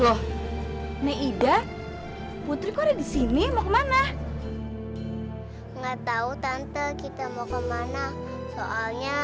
loh nei ida putri kuda di sini mau kemana nggak tahu tante kita mau kemana soalnya